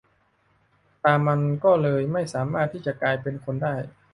ตามันก็เลยไม่สามารถที่จะกลายเป็นคนได้